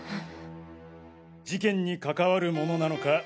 事件に関わるものなのか？